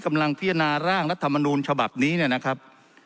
กำลังพิจารณาร่างรัฐมนูลฉบับนี้เนี่ยนะครับ